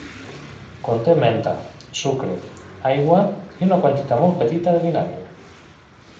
Conté menta, sucre, aigua i una quantitat molt petita de vinagre.